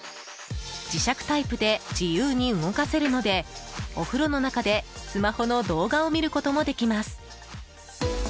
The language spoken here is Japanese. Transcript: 磁石タイプで自由に動かせるのでお風呂の中でスマホの動画を見ることもできます。